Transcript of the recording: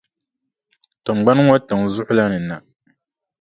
Tiŋgbani ŋɔ tiŋʼ zuɣu la ni na.